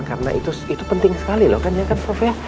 karena itu penting sekali loh kan ya kan prof ya